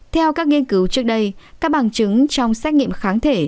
theo các nghiên cứu trước đây các bằng chứng trong xét nghiệm kháng thể